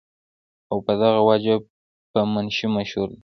او پۀ دغه وجه پۀ منشي مشهور شو ۔